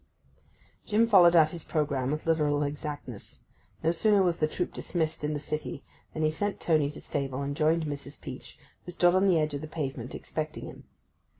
Jim followed out his programme with literal exactness. No sooner was the troop dismissed in the city than he sent Tony to stable and joined Mrs. Peach, who stood on the edge of the pavement expecting him.